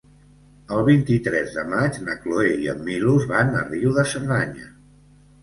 El vint-i-tres de maig na Cloè i en Milos van a Riu de Cerdanya.